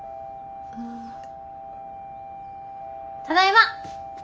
ただいま！